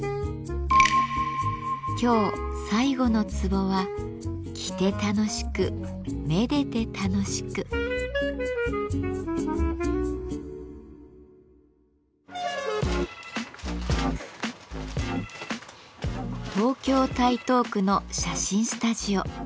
今日最後のツボは東京・台東区の写真スタジオ。